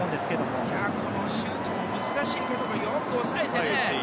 最初のシュートも難しいけど、よく抑えてね。